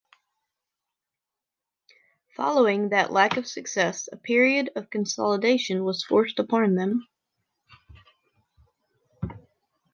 Following that lack of success, a period of consolidation was forced upon them.